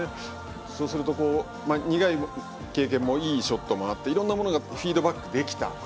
そうすると苦い経験もいいショットもあっていろんなものがフィードバックできた。